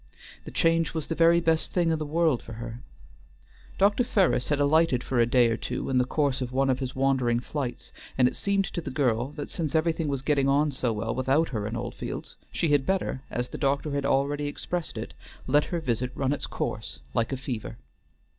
The change was the very best thing in the world for her. Dr. Ferris had alighted for a day or two in the course of one of his wandering flights; and it seemed to the girl that since everything was getting on so well without her in Oldfields, she had better, as the doctor had already expressed it, let her visit run its course like a fever.